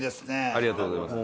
ありがとうございます。